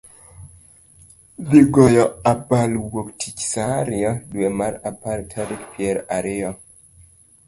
thi goyo abal Wuok Tich saa ariyo, dwe mar apar tarik piero ariyo.